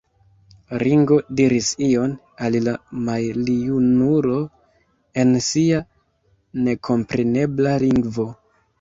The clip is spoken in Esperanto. Ringo diris ion al la maljunulo en sia nekomprenebla lingvo.